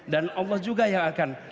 dan allah juga yang akan